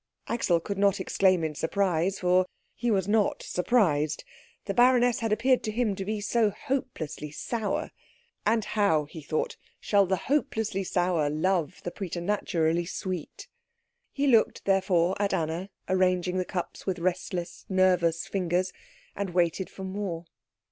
Axel could not exclaim in surprise, for he was not surprised. The baroness had appeared to him to be so hopelessly sour; and how, he thought, shall the hopelessly sour love the preternaturally sweet? He looked therefore at Anna arranging the cups with restless, nervous fingers, and waited for more.